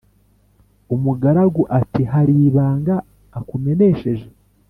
umugaragu ati"haribanga akumenesheje?"